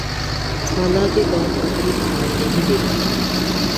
حالانکہ بات بنتی دکھائی نہیں دیتی۔